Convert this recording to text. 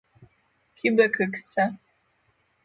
Kubo Kutxa.